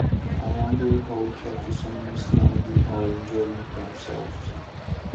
I wonder how Kathy and Mrs. Lynde are enjoying themselves.